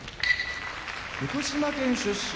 福島県出身